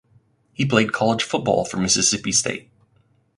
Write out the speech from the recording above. He played college football for Mississippi State.